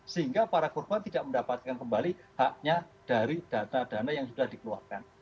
sehingga para korban tidak mendapatkan kembali haknya dari data dana yang sudah dikeluarkan